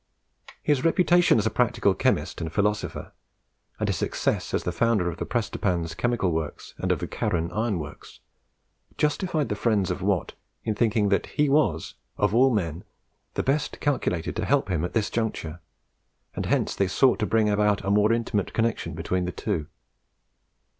His reputation as a practical chemist and philosopher, and his success as the founder of the Prestonpans Chemical Works and of the Carron Iron Works, justified the friends of Watt in thinking that he was of all men the best calculated to help him at this juncture, and hence they sought to bring about a more intimate connection between the two.